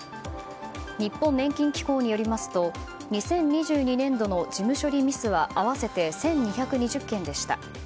日本年金機構によりますと２０２２年度の事務処理ミスは合わせて１２２０件でした。